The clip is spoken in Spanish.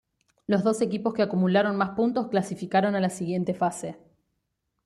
Los dos equipos que acumularon más puntos clasificaron a la siguiente fase.